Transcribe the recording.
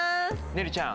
ねるちゃん。